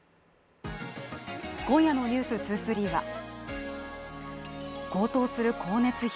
今夜の「ｎｅｗｓ２３」は高騰する光熱費